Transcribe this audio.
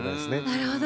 なるほど。